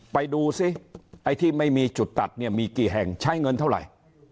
ไปดูซิไอ้ที่ไม่มีจุดตัดเนี่ยมีกี่แห่งใช้เงินเท่าไหร่